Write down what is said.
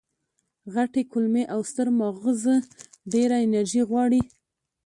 غټې کولمې او ستر ماغز ډېره انرژي غواړي.